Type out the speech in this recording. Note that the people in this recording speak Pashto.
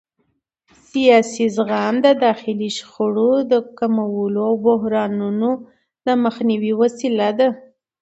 سیاسي زغم د داخلي شخړو د کمولو او بحرانونو د مخنیوي وسیله ده